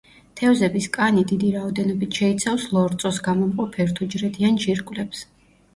თევზების კანი დიდი რაოდენობით შეიცავს ლორწოს გამომყოფ ერთუჯრედიან ჯირკვლებს.